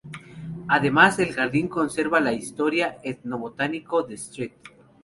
Además, el jardín conserva la historia etno-botánico de St.